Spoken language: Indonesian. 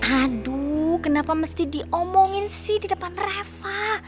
aduh kenapa mesti diomongin sih di depan reva